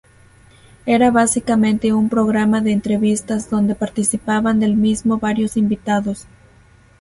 Era básicamente un programa de entrevistas, donde participaban del mismo varios invitados.